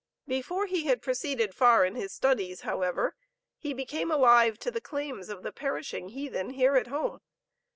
Before he had proceeded far in his studies, however, he became alive to the claims of the 'perishing heathen' here at home.